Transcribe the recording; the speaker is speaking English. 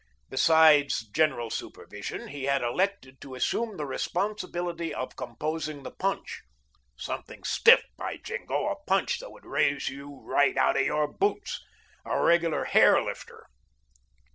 Besides general supervision, he had elected to assume the responsibility of composing the punch something stiff, by jingo, a punch that would raise you right out of your boots; a regular hairlifter.